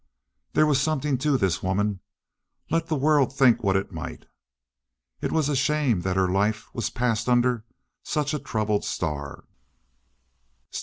There was something to this woman, let the world think what it might. It was a shame that her life was passed under such a troubled star.